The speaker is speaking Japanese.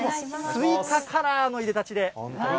スイカカラーのいでたちで。